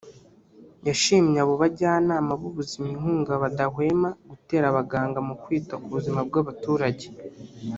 yashimiye abo bajyanama b’ubuzima inkunga badahwema gutera abaganga mu kwita ku buzima bw’abaturage